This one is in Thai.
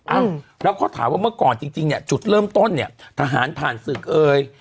อ้าวแล้วเขาถามว่าเมื่อก่อนจริงเนี่ยจุดเริ่มต้นเนี่ยทหารผ่านศึกเอ่ย